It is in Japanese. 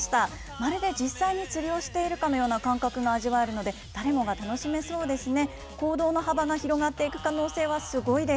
まるで実際に釣りをしているかのような感覚が味わえるので、誰もが楽しめそうですね。